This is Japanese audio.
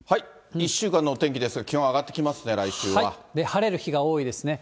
１週間のお天気ですが、気温上がってきますね、晴れる日が多いですね。